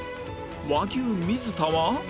和牛水田は